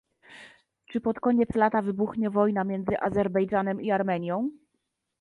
Czy pod koniec lata wybuchnie wojna między Azerbejdżanem i Armenią?